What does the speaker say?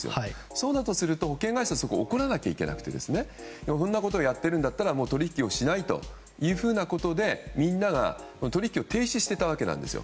そうだとすると、保険会社はそこは怒らなくてはいけなくてそんなことをやってるんだったら取引をしないということでみんなが取引を停止してたわけなんですよ。